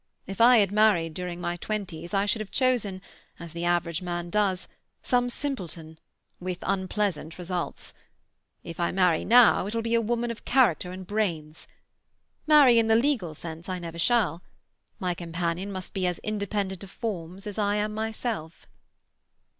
If I had married during my twenties I should have chosen, as the average man does, some simpleton—with unpleasant results. If I marry now, it will be a woman of character and brains. Marry in the legal sense I never shall. My companion must be as independent of forms as I am myself."